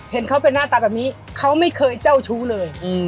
เห็นเขาเป็นหน้าตาแบบนี้แล้วเขาเจ่าชู้เลย